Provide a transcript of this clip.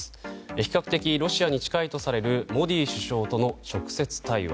比較的ロシアに近いとされるモディ首相との直接対話。